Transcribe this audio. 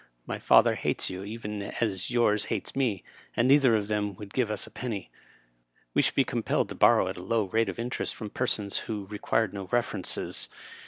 My father hates you, even as yours hates me, and neither of them would give us a penny. We should be compelled to borrow at a low rate of interest from persons who re quired no references.